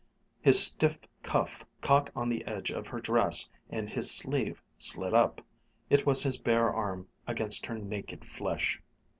His stiff cuff caught on the edge of her dress, and his sleeve slid up it was his bare arm against her naked flesh.